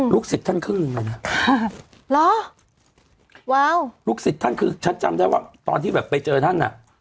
ลูกศิษย์ท่านคืนเลยนะครับลูกศิษย์ท่านคืนฉันจำได้ว่าตอนที่แบบไปเจอท่านน่ะ